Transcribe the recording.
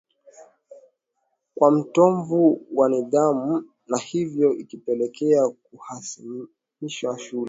Kuwa mtomvu wa nidhamu na hivyo ikapelekea kuhamishiwa shule